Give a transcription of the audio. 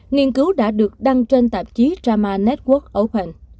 nghiên cứu đã được đăng trên tạp chí rama network open